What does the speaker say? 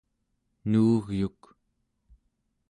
nuugyuk